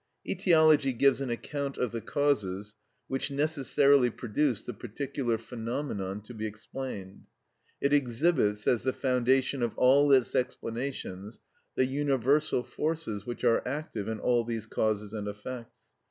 Etiology gives an account of the causes which necessarily produce the particular phenomenon to be explained. It exhibits, as the foundation of all its explanations, the universal forces which are active in all these causes and effects.